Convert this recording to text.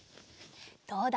どうだ？